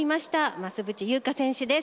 増渕祐香選手です。